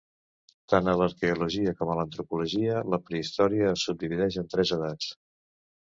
Tant a l'arqueologia com a l'antropologia, la prehistòria es subdivideix en tres edats.